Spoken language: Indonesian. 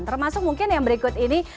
termasuk mungkin yang berikut ini